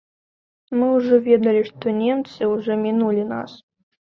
Мы ўжо ведалі, што немцы ўжо мінулі нас.